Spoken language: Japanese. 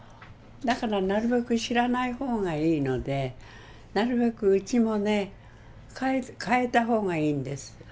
だからなるべく知らない方がいいのでなるべくうちもね変えた方がいいんです。